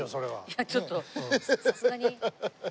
いやちょっとさすがに。